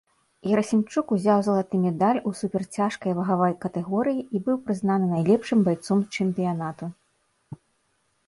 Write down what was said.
Герасімчук узяў залаты медаль у суперцяжкай вагавай катэгорыі і быў прызнаны найлепшым байцом чэмпіянату.